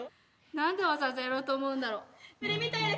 何でわざわざやろうと思うんだろう。